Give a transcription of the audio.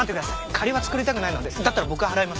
借りは作りたくないのでだったら僕が払います。